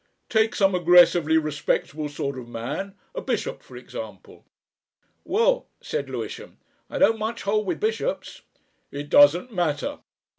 Take some aggressively respectable sort of man a bishop, for example." "Well," said Lewisham, "I don't much hold with bishops." "It doesn't matter.